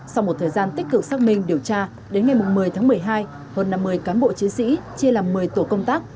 sau một thời gian tích cực xác minh điều tra đến ngày một mươi tháng một mươi hai hơn năm mươi cán bộ chiến sĩ chia làm một mươi tổ công tác